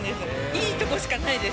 いいとこしかないです。